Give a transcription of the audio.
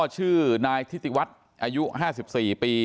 ชื่อนายทิติวัฒน์อายุ๕๔ปี